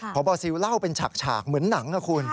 พบซิลเล่าเป็นฉากเหมือนหนังนะคุณ